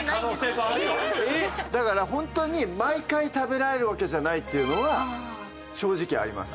だからホントに毎回食べられるわけじゃないっていうのは正直あります。